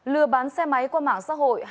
lừa bán xe máy qua mạng xã hội